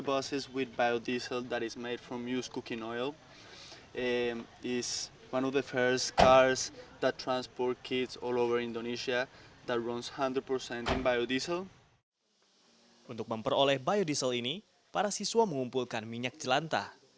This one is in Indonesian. untuk memperoleh biodiesel ini para siswa mengumpulkan minyak jelantah